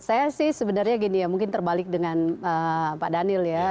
saya sih sebenarnya gini ya mungkin terbalik dengan pak daniel ya